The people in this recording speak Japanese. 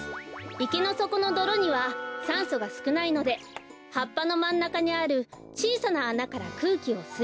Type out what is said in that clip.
いけのそこのどろにはさんそがすくないのではっぱのまんなかにあるちいさなあなからくうきをすい